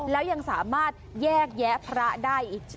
แล้วยังสามารถแยกแยะพระได้อีก